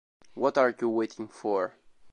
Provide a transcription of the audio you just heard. What Are You Waiting For?